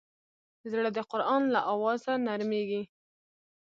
زړه د قرآن له اوازه نرمېږي.